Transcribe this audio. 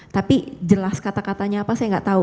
tapi jelas kata katanya apa saya nggak tahu